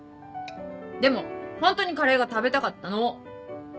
でもホントにカレーが食べたかったの！